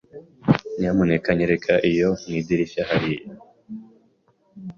Nyamuneka nyereka iyo mu idirishya hariya.